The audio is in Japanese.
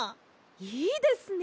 いいですね！